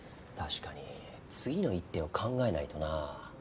確かに次の一手を考えないとな。